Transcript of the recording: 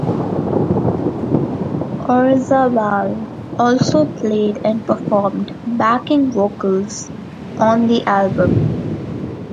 Orzabal also played and performed backing vocals on the album.